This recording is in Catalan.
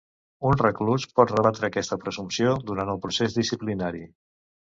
Un reclús pot rebatre aquesta presumpció durant el procés disciplinari.